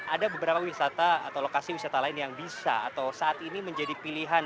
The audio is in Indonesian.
ada beberapa wisata atau lokasi wisata lain yang bisa atau saat ini menjadi pilihan